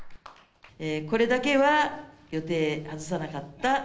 これだけは予定を外さなかった。